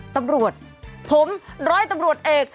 ตำรวจผมร้อยตำรวจเอก